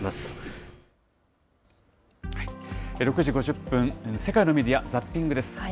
６時５０分、世界のメディア・ザッピングです。